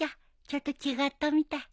ちょっと違ったみたい。